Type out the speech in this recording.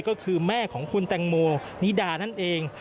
ก็คือแม่ของคุณแตงโมนิดานั่นเอง